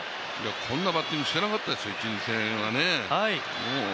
こんなバッティングしてなかったですよ、１、２戦は。